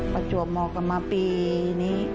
ประจวบมอกลับมาปีนี้